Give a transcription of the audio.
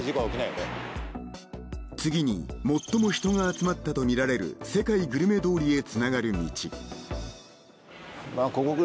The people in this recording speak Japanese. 次に最も人が集まったとみられる世界グルメ通りへつながる道が立ち並び